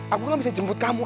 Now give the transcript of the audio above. aku kan bisa jemput kamu